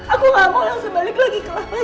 aku gak mau yang sebalik lagi kelapain